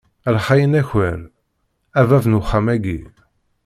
A lxayen aker, a bab n uxxam aki!